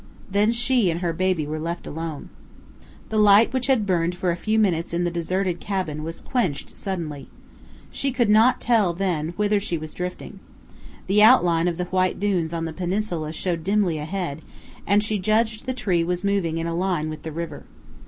Then she and her baby were left alone. The light which had burned for a few minutes in the deserted cabin was quenched suddenly. She could not then tell whither she was drifting. The outline of the white dunes on the peninsula showed dimly ahead, and she judged the tree was moving in a line with the river.